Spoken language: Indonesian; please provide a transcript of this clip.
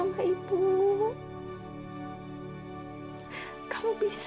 enggak boleh putus asa